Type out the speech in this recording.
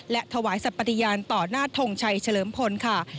และถวายศัรพธิรรณต่อหน้าถ่วงไชเฉลิมพลค่ะ